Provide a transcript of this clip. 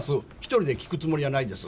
１人で聞くつもりはないです。